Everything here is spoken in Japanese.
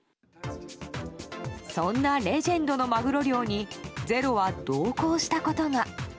そんなレジェンドのマグロ漁に「ｚｅｒｏ」は同行したことが。